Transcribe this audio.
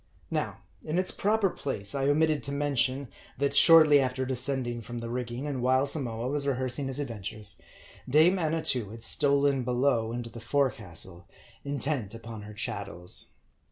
Now, in its proper place, I omitted to mention, that shortly after descending from the rigging, and while Samoa was rehearsing his adventures, dame Annatoo had stolen below into the forecastle, intent upon her chattels.